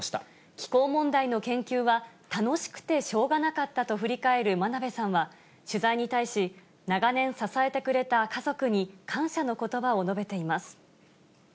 気候問題の研究は、楽しくてしょうがなかったと振り返る真鍋さんは、取材に対し、長年支えてくれた家族に感謝のことばを述べています。